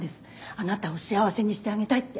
あなたを幸せにしてあげたいって。